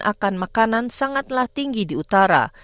akan makanan sangatlah tinggi di utara